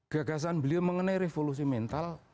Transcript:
gagasan beliau mengenai revolusi mental